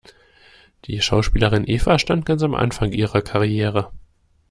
Die Schauspielerin Eva stand ganz am Anfang ihrer Karriere.